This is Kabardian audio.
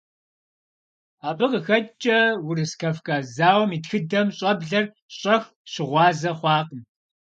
Абы къыхэкӀкӀэ Урыс-Кавказ зауэм и тхыдэм щӀэблэр щӀэх щыгъуазэ хъуакъым.